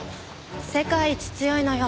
世界一強いのよ。